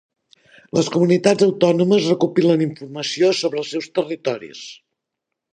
Les comunitats autònomes recopilen informació sobre els seus territoris.